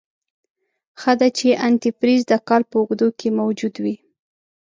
ښه ده چې انتي فریز دکال په اوږدو کې موجود وي.